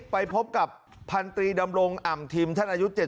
ไปพบกับพันธรีดำรงอ่ำทิมท่านอายุ๗๐